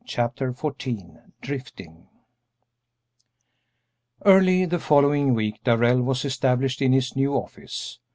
Chapter XIV DRIFTING Early the following week Darrell was established in his new office.